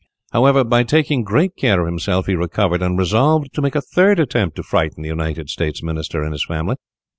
However, by taking great care of himself, he recovered, and resolved to make a third attempt to frighten the United States Minister and his family.